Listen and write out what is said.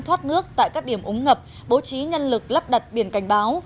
thoát nước tại các điểm ống ngập bố trí nhân lực lắp đặt biển cảnh báo